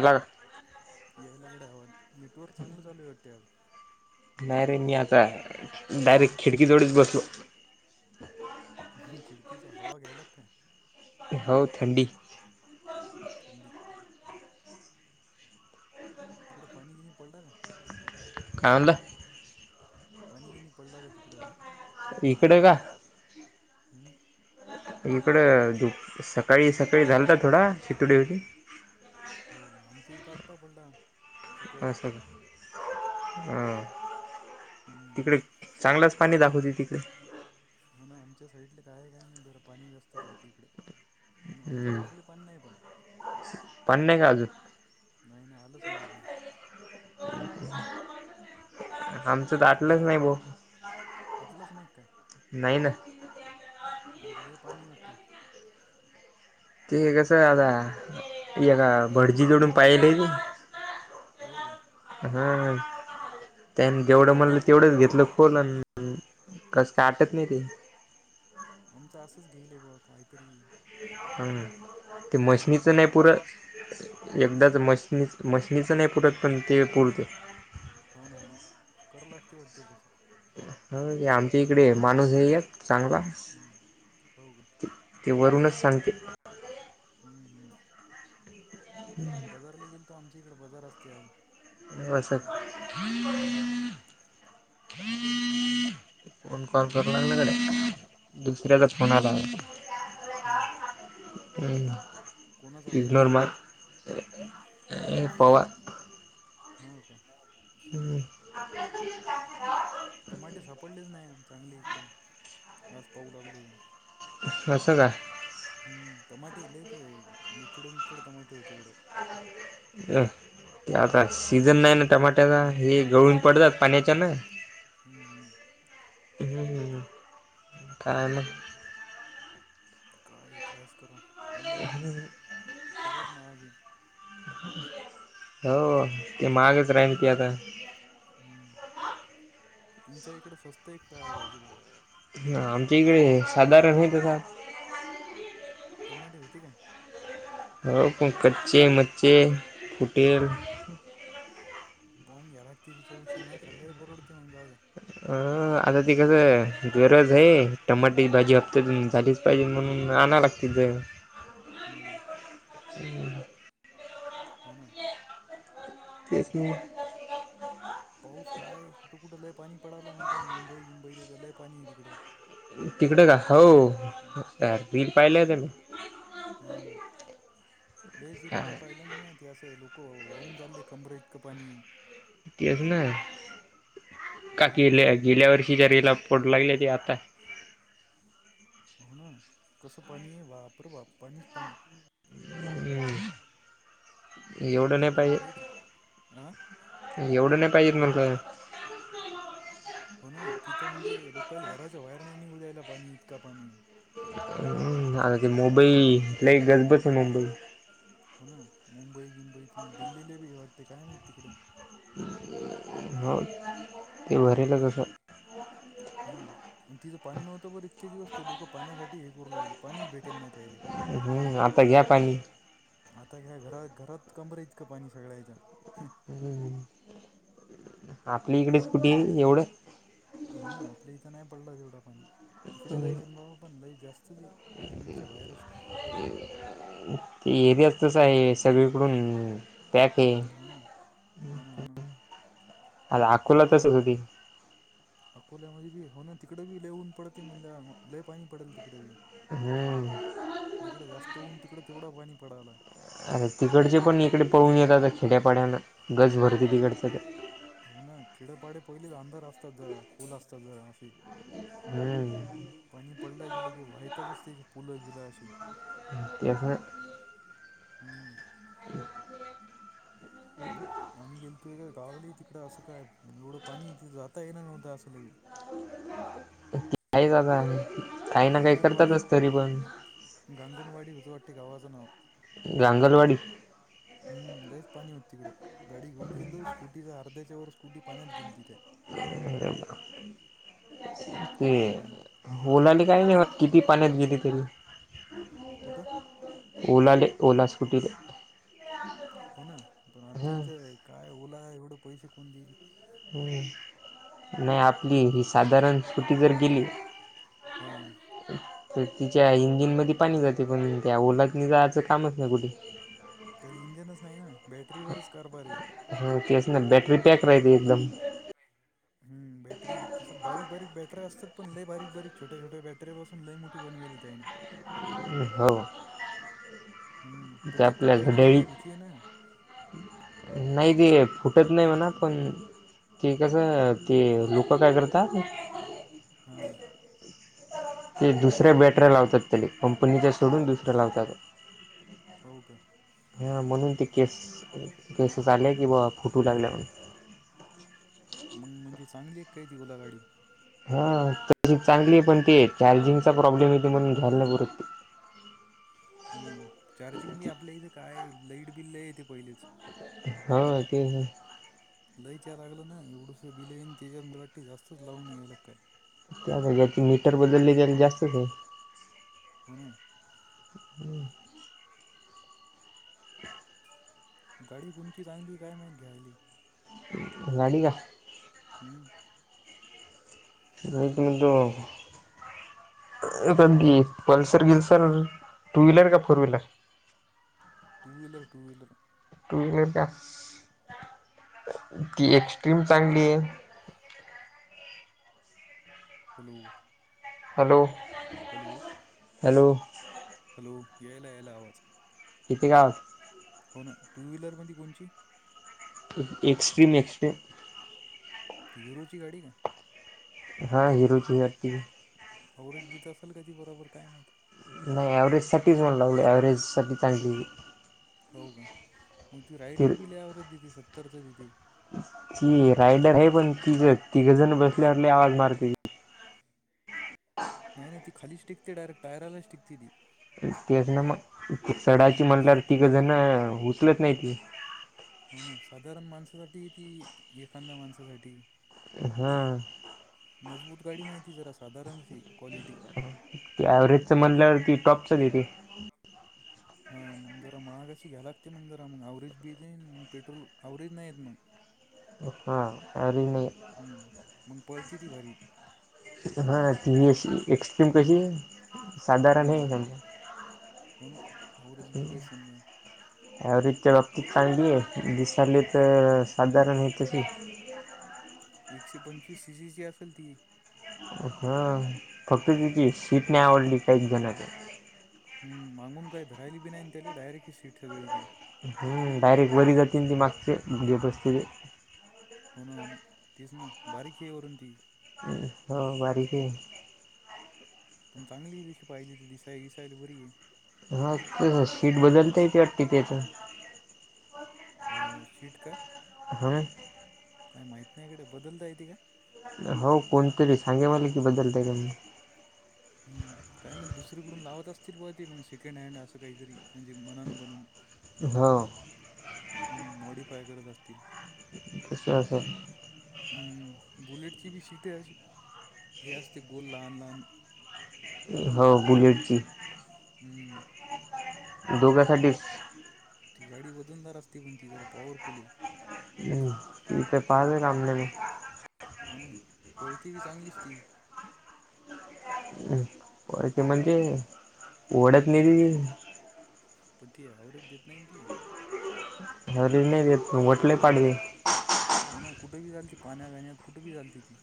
आला का? यायला गडे आवाज नेटवर्क चांगलं चालू आहे, वाटतय आज. नाही रे, मी आता डायरेक्ट खिडकी जवळच बसलो. खिडकीचा हवा घ्यायला की काय? हो, थंडी थंडी तिकडे पाणी किनी पडलं ना. काय म्हणला? पाणी किनी पडला का तिकड? इकडे का, हम्म, इकड सकाळी सकाळी झालता, थोडा शितडी होती. हो का, आमच्या इथं आत्ता पडला. सकाळी असलं ह. हम्म तिकडे चांगलंच पाणी दाखवते तिकडे. हो ना, आमच्या साईड काय काय नाही जर पाणी जास्त पडत इकड पण आमच्या हम्म बोगले पण नाही पण. पाणी नाही का आज? नाही नाही, आलंच नाही अजुन. [unintelligible] आम त तिकडं आटलंच आलं नाही, बो आटलंच नाही काय नाही ना. म्हणजे लय पाणी हाय वाटत. ते कस आता एका हम्म भडजी कडुन पाहिलंय मी. हो का? हां त्यानी जेवढं त्या मला तेवढंच घेतलं खोलन कसं काय आटत नाही ते आमचं असंच घेईलय बुआ काहीतरी ह ते पाहिलं मशीनीचं पाहा नाही पुर लागते एकदाच कोणाचं मशी नी मशनीचं नाही पुरत पण ते पुरते. होन हो ना कराल लागतय वाटते तसं. होय की आमच्या इकडे माणूस हे या चांगला हं हो का? ते वरूनच सांगते. हम्म हम्म आज बजारले गेलतो आमच्या इकडे बजार असते आज. [unintelligible] हम्म फोन कॉल कर लागला गड्या दुसर्याचा फोन आला. हां. हम्म होता इग्नोर मार हे पवार पवार हो का? हम्म. माठी सापडलीच नाही आ चांगली इकडे आज पाहू लागलो मी. कस काय? हम्म टमाटे इलेच मिचड मिचड टमाटे होते इकड. अं आता सीझन नाही ना टमाट्याचा हे गळून पडतात, पाण्याच्या ना. हम्म हम्म, हम्म, ह काय आण? काय कायच कराव अल्लु सगळचं महाग ये. हो, ते महागचं महागचं हाय [unintelligible] हम, तुमच्या इकडं स्वस्त हाय काय भाजीपाला? ह आमच्या इकडे साधारण [unintelligible] टमाटे होती का? हो, पण कच्चे मच्चे फुटेल पाहून घ्या लागते, तिच्यापेक्षा न खाल्लेल परवडते मग जाऊ द्या. अ आता ते कसं आहे, गरज आहे टमाटेची भाजी हप्त्यात साठी म्हणून आना लागती ज हम्म, हम्म, हो ना, तेच नाही. पाऊस काय कुठं कुठं लय पाणी पडाला म्हणतात, मुंबई बिंबईला लय पाणी आहे तिकडं. तिकडे का हो, बील पाहिलं का नाही. हम्म, हा [unintelligible] पाय [unintelligible] असं लोक वाहून चाले, कंबरेइतक पाणी केल ना, का हम्म केल्या गेल्या वर्षी ज रेला पोड लागले ते आता. हो ना, कसं पाणी ये बापरे! बाप पाणीच पाणी. एवढ नाही लय पाहिजे चिक एवढं नाही पाहिजेत म्हणताय हो ना तिथं म्हणजे लोकाले घराच्या बाहेर नाही निघु द्यायला पाणी इतका पाणी. हम् आ ते मुंबई लय गजबज मुंबई. हो ना मुंबई बुंबई, दिल्लीला बी हे वाटते काय माहित तिकडे. हो ते भरेलं कसं हो ना आणि तिचं पाणी नव्हतं बर इतके दिवस ते लोक पाण्यासाठी हे करू लागले पाणी भेटत नाही त्यायले. हम्म आता घ्या पाणी. आता घ्या घरात घरात कमर इतका पाणी सगळयाचा ह आपली इकडेच कुठे एवढं. हो ना आपल्या इथं नाही पडला तेवढा पाणी तिकडं लईच बाबा पण लईच जास्त त. लिमिटच्या वयरच. ते एरिया तस आहे सगळीकडून. पॅक आहे हो ना हो ना हो ना. आ अकोलातच एरिया होधी. अकोल्यामध्ये बी हो ना तिकडे बी ललेहऊन पडतते म्हणल्या लले पाणी पडेल तिकडे बी. हम्म. तिकडं जास्त होऊन तिकडं तेवढा पाणी पडाला. अरे तिकडचे पण इकडे पळून येत आता खेड्यापाड्यान गज भरते तिकडचं तर. हो ना खेडपाडे पहिल अंधार असतात खोल असतात अशी. हम्म पाणी पडला गेलं की वाहतच ते पुलं गेला. येत नाही. हम्म. [unintelligible] आम्ही गेलतोय गावलं तिकडं असं काय एवढं पाणी ते जाता ये ना नव्हतं असंलही. कायच आता काही ना काही करतच असत. गंगनवाडी विजुवट्ट गावाच नाव. गांगलवाडी. ह लयच पाणी होतं तिकडं गाडी घेऊन गेल तर स्कूटीचा अर्ध्याच्या वर स्कूटी. एवढा ह. पाणी बोलाले काही नाही किती पाण्यात गेली तरी. कुठं. ओला ले ओला. हो ना पण आमच्या हम्म इथं काय ओला एवढं पैसे कोण दिईल. नाही आपली ही साधारण. स्कुटी जर गेली हा तर तिच्या इंजिनमध्ये. पाणी जाते पण त्या ओलात जायचं कामच नाही कुठे. त्याला इंजनच नाही ना बॅटरीवरच कारभार आहे. हा तेच ना बॅटरी पॅक राहती एकदम हम बॅटरी तिच्यात लई मोठी बनवली त्याने. हो. हम्म पण ते ती आपल्या फुटायची बी लय घड्याळीत भीती आहे ना नाही ते फुटत नाही म्हणा पण ते कसं ते लुक हां. ते दुसऱ्या बॅटऱ्या लावतात तेनी कंपनीच्या सोडून दुसर्या लावतात. हो का? हां म्हणून ते केस केसेस आले कि बुवा फुटू लागल्या. मंग म्हणजे चांगली आहे काय ती ओला गाडी? हां तशी चांगली आहे पण ते चार्जिंगचा प्रॉब्लेम येते म्हणून घ्यायला नाही पुरत. ते. हम्म चार्जिंग बी आपल्या इथे काय लाईट बिल लई येते पहिलेच. हां ते. लयच लागलं ना एवढंस बिल आहे अन् त्याच्यात रेट जास्तच लावून यायला काय? त्या जाग्याची मीटर बदलली तेन जास्तच आहे. कोण आहे? हम्म. [inaudible] गाडी कोणची चांगली आहे काय माहीत घ्यायली. गाडी का? हम्म. [unintelligible] पण की पल्सर बिल्सर, टू व्हीलर, का four wheeler. Two wheeler, two wheeler. Two wheeler घास ती एक्स्ट्रीम चांगली आहे. Hello? Hello? Hello? Hello? Hello यायला यायला आवाज. तु कवा हास हो ना टू व्हीलरमध्ये कोणची? एक्स्ट्रीम एक्स्ट्रीम ती हिरोची गाडी का? हां हिरोची वाटती. आवरेज देत असाल का ती बरोबर काय माहित? नाही एव्हरेजसाठीच म्हणा लागलोय ॲव्हरेजसाठी चांगली आहे ही. हो का मग ती रायडर बि लई अव्हरेज देती सत्तरच देती. ती रायडर आहे पण तिघ तिघंजण बसल्यावर लई आवाज मारती. नाही नाही ती खालीच टीकते डायरेक्ट टायराला टीकते ती. तेच ना मग सडाची हम्म सा म्हटल्यावर तिघं जण न उचलत नाही ती. हो ना साधारण माणसासाठी ती एखांदया माणसासाठी. हा मजबूत गाडी नाही ती जरा साधारणशी क्वालिटी ती एव्हरेजचं म्हणल्यावर ती टॉपचं देते. हां मंग जरा महागाशी घ्याय लागते मंग जरा मंग अवरेज बी येते मंग पेट्रोल अवरेज नाही येत मंग. हो का एवरेज नाही. हम्म मग पळती ती भारी. हां ती ही अशी एक्सट्रीम कशी. साधारण हे हम्म म्हणजे? हो ना आवरेज गिवरेज समजा एव्हरेज च्या बाबतीत चांगली आहे दिसायला हम्म तर साधारण आहे तशी. एकशे पंचवीस सीसीची असेल ती. हां फक्त तिची सीट नाही आवडली काहीएक जणांना. हम्म मांगून काय धरायली बी नाही अन त्याले डायरेक्ट ही सीट सगळी ती. हम्म डायरेक्ट वरी जाती अन ती मागचे गप्प बसते ते. हो ना हो ना तेच ना बारीक हे वरून ती. हम्म हा बारीकय. पण चांगली दिसी पाहिजे तर दिसाय दिसायला पोरगी. ह तेस शीट बदलता य ते वाट त्याच सीट का हा काय माहत नाही गड्या. बदलता येते का? हो कोणतरी सांगे मला की बदल द का मी ह काय म दुसरीकडून लावत असतील ब ते मग सेकंड हँड असं काहीतरी म्हणजे मनानं बनून. हां हम् मॉडीफाय करत असतील तस अस. ह् बुलेटची बी सीटे अशी हे असते गोल लहान लहान. हो बुलेटची हम्म दोघासाठीच. ती गाडी वजनदार असते, पण ती जरा पॉवरफुल हे. हम्म, ते काय [unintelligible] हो ना, पळती बी चांगलीच ती ओळख म्हणजे ओढतले बी [unintelligible] पती आवररच देत नाही ती हो नाही वटले पाडवे हम्म हो ना कुठेबी झाल त पाण्या गाण्यात कुठंबी झाचालती ती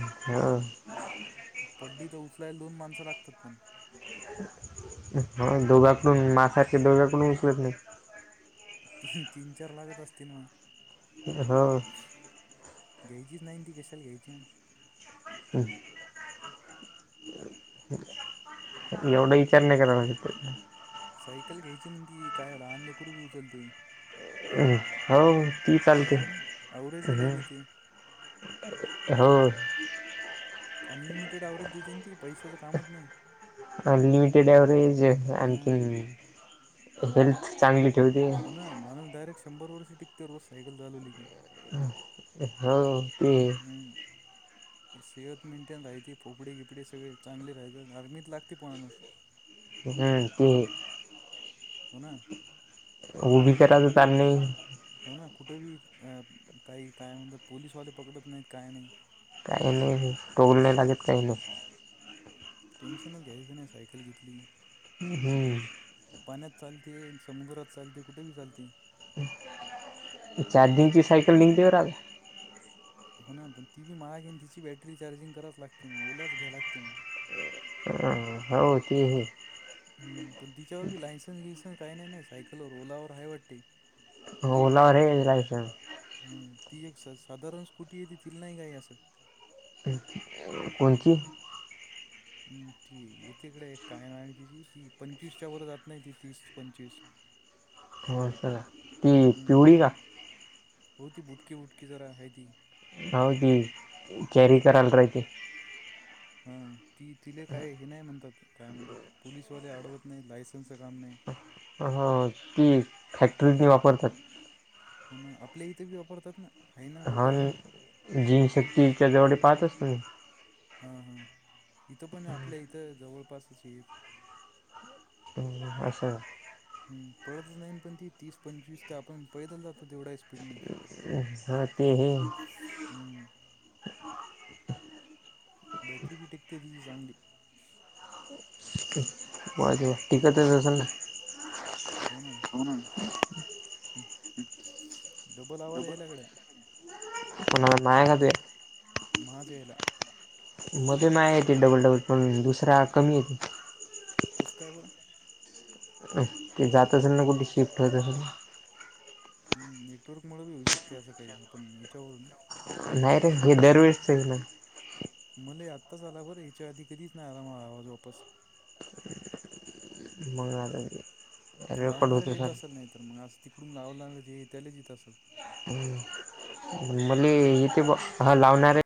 हा पडली तर उचलायला दोन माणसं लागतात पण अम् ह दोघाकडून मासारखे दोघ्याकडून उचलत नाही तीन तीन चार लागत असतील म हा घ्यायचीच नाही ती कशाला घ्यायची हम्म. एवढं विचार नाही का सायकल घ्यायची म्हणती. काय लहान लेकरुबी उचलते. हो ती चालते आहे [inaudible] का नाही ॲव्हरेज लय देते हो. की अनलिमिटेड आवरेज देतेन ती पैशचं कामच नाही अधलिअमिटेड अव्हरेजे. हां आणखीन हेल्थ. चांगली ठेवते हो ना माणस डायरेक्ट शंभर वर्षी टिकते रोज सायकल चालवली की हा ह हम्म सेहत मेंटेन राहती फोपडी गिपडी सगळे चांगली राहते आर्मीत लागते पणाणूस हम् ते हो ना भजताच त्यां नाही हो ना कुठे बी काही काय म्हणतात पोललीसवाले पकडत नाहीत काय नाही काही नाही रोल नाही लागत काही नाही टेनशनच घ्यायचं नाही सायकल घेतली होम् पाण्यात चालते, समुद्रात चालते, कुठं बी चालते. चारजिंगची साईकल निघली बरं आता हो ना पण ती बी महाग हे ना तिची बॅटरी चार्जिंग करावच लागते मग ओलच घ्याया लागते मग ह. हो ते हे हम्म पण तिच्यावर बी लायसन्स बीसन काही नई नई सायकलवर ओलावर हाय वाटते. ओलावर हे लायसन्स. हम्म, ती एक स- साधारण स्कुटीय देतील ना काही असं. कोणची? हम्म ती येथेकडे काय नाव तिची? ती पंचवीसच्या वर जात नाही ती तीस पंचवीस [unintelligible] ती हम्म पिवळी का? हो ती बहुकी बुटकी जरा, हाय ती. हा की कॅरी करायला राहायचं हा ती तिले काय हे नाही म्हणतात काय म्हणतात पोलिसवाले आडवत नाही लायसन्सचं काम नाही हा ती फॅक्ट्रीतली वापरतात हा ना आपल्या इथे बी वापरतात ना आहे ना हा लोकांकडं जीन शक्तीच्याजवळ पाहतच असतो मी हा हा इथं पण आपल्या इथं जवळपासच ये अशा पळतच नाही पण ती तीस पंचवीस ते आपण पैदल जातो तेवढा स्पीड नाही [unintelligible] हम्म बॅटरी बी टीकते तेझी चांगली ब टिकतच असेल ना हो ना हा ना हु डबल आवाज यायल्याकडे म मायग ते माझ यायला मध्ये माय येते डबल डबल पण दुसरा कमी येते कस काय बरं अ ते जात असेल ना कुठे शिफ्ट होत असेल हम्म नेटवर्क मुळ बी होऊ शकते असं काही आपण याच्यावरून नाही रे हे दरवेेळेच आहे ना मले आत्ताच आला बरं याच्या आधी कधीच नाही आला मला आवाज वापस मग रेकॉर्ड लावणारे होते येत असेल सर नाही तर मग आज तिकडून लावणारे जे येत त्यालाच येत असेल हम्म मले इथे ह लावणारे